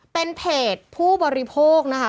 เป็นเพจผู้บริโภคนะคะ